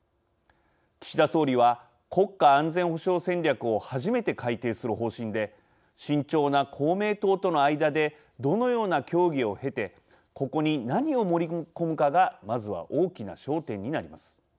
岸田総理は国家安全保障戦略を初めて改定する方針で慎重な公明党との間でどのような協議を経てここに何を盛り込むかがまずは大きな焦点になります。